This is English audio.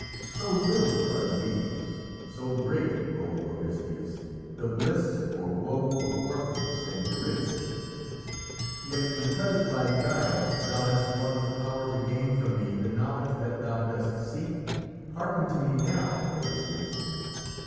So little are the bees! so great, O Aristæus, the bliss or woe of Orpheus and Eurydice! Yet, because by guile thou hast won the power to gain from me the knowledge that thou dost seek, hearken to me now, Aristæus!